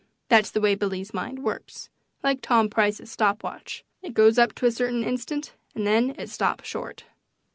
That's the way Billy's mind works like Tom Price's stop watch. It goes up to a certain instant and then it stops short.